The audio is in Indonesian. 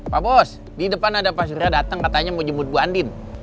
pak bos di depan ada pak surra dateng katanya mau jemput bu andin